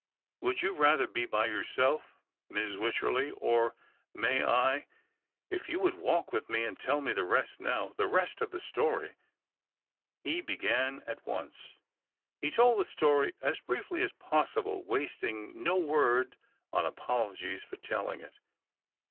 " Would you rather be by yourself, Miss Wycherley, or, may I ?"" If you would walk with me, and tell me the rest now — the rest of the story." He began at once. He told the story as briefly as possible, wasting no word on apologies for telling it.